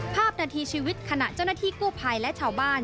ภาพนาทีชีวิตขณะเจ้าหน้าที่กู้ภัยและชาวบ้าน